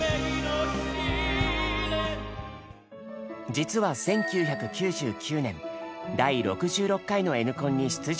実は１９９９年第６６回の「Ｎコン」に出場した経験が。